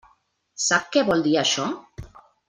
Sap què vol dir això?